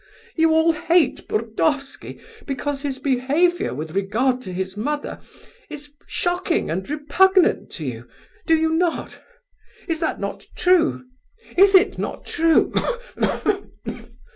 You all hate Burdovsky because his behaviour with regard to his mother is shocking and repugnant to you; do you not? Is not that true? Is it not true?